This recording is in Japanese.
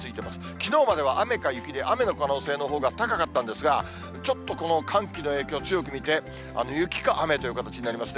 きのうまでは雨か雪で、雨の可能性のほうが高かったんですが、ちょっとこの寒気の影響、強く見て、雪か雨という形になりますね。